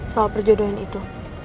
soal perjodohan itu